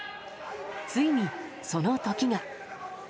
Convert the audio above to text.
ついに、その時が。